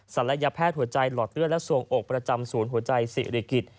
ศัลยแพทย์หัวใจหลอดเลือดและส่วงอกประจำศูนย์หัวใจศิริกิจ